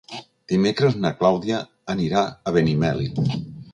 Dimecres na Clàudia anirà a Benimeli.